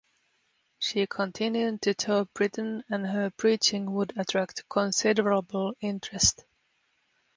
She continued to tour Britain and her preaching would attract considerable interest.